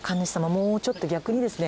もうちょっと逆にですね